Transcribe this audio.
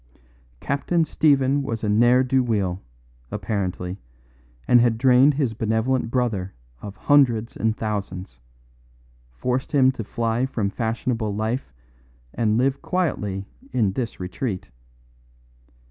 Captain Stephen was a ne'er do well, apparently, and had drained his benevolent brother of hundreds and thousands; forced him to fly from fashionable life and live quietly in this retreat.